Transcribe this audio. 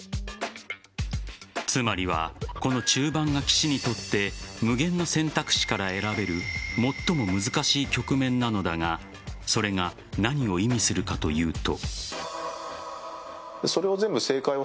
つまりはこの中盤が棋士にとって無限の選択肢から選べる最も難しい局面なのだがそれが何を意味するかというと。